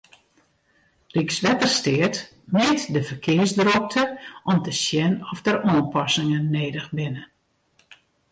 Rykswettersteat mjit de ferkearsdrokte om te sjen oft der oanpassingen nedich binne.